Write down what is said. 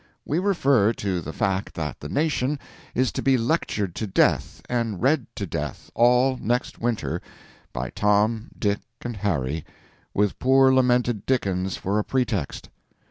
We refer to the fact that the nation is to be lectured to death and read to death all next winter, by Tom, Dick, and Harry, with poor lamented Dickens for a pretext.